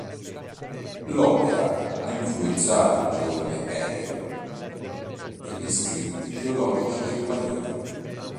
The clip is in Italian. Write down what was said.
L'opera ha influenzato il"giovane" Hegel degli Scritti teologici giovanili.